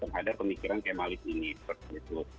terhadap pemikiran kemalis ini seperti itu